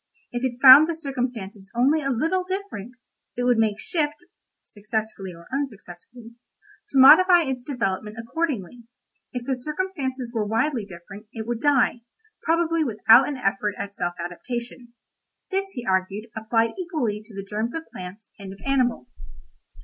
If it found the circumstances only a little different, it would make shift (successfully or unsuccessfully) to modify its development accordingly; if the circumstances were widely different, it would die, probably without an effort at self adaptation. This, he argued, applied equally to the germs of plants and of animals.